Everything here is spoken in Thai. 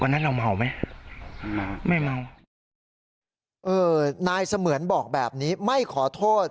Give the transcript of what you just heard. เราเมาไหมเมาไม่เมาเออนายเสมือนบอกแบบนี้ไม่ขอโทษ